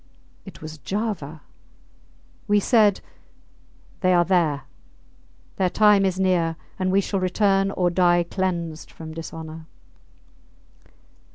It was Java. We said, They are there; their time is near, and we shall return or die cleansed from dishonour.